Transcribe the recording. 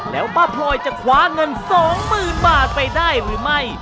แล้วป้าพลอยจะคว้าเงิน๒๐๐๐บาทไปได้หรือไม่